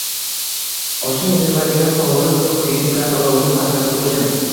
Oshning zirvagini qovurib, suv kuyib, gaz olovini pastlatib qo’ydim.